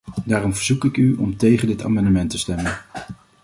Daarom verzoek ik u om tegen dit amendement te stemmen.